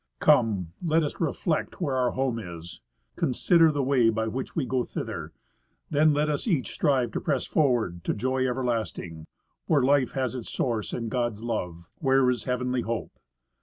Come, let us refled: where our home is, consider the way By which we go thither; then let us each strive to press forward To joy everlasting, where life has its source in God's love, i: "5 1 Where is heavenly hope.